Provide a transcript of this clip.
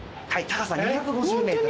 高さ２５０ｍ。